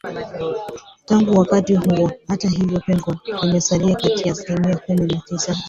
Tangu wakati huo hata hivyo pengo limesalia kati ya asilimia kumi na tisa hadi